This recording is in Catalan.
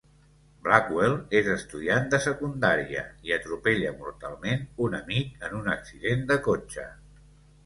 Blackwell és estudiant de secundària i atropella mortalment un amic en un accident de cotxe.